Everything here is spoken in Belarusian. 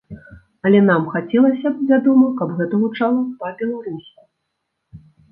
Але нам хацелася б, вядома, каб гэта гучала па-беларуску.